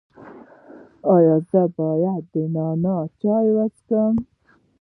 ایا زه باید د نعناع چای وڅښم؟